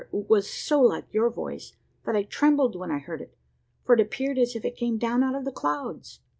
it was so like your voice that I trembled when I heard it, for it appeared as if it came down out of the clouds.